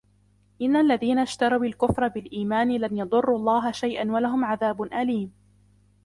إِنَّ الَّذِينَ اشْتَرَوُا الْكُفْرَ بِالْإِيمَانِ لَنْ يَضُرُّوا اللَّهَ شَيْئًا وَلَهُمْ عَذَابٌ أَلِيمٌ